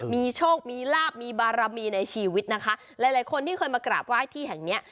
มีโชคมีลาบมีบารมีในชีวิตนะคะหลายหลายคนที่เคยมากราบไหว้ที่แห่งเนี้ย